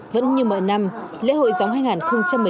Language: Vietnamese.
vẫn như mọi năm lễ hội gióng hai nghìn một mươi tám